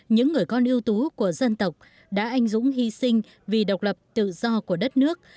những người con ưu tú của dân tộc đã anh dũng hy sinh vì độc lập tự do của đất nước